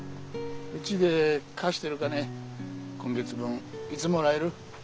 うちで貸してる金今月分いつもらえる？